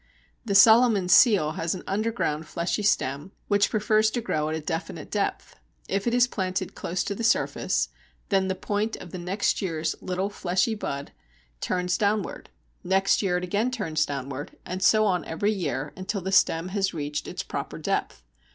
The Solomon's Seal has an underground, fleshy stem, which prefers to grow at a definite depth. If it is planted close to the surface, then the point of the next year's little fleshy bud turns downwards; next year it again turns downwards, and so on every year, until the stem has reached its proper depth.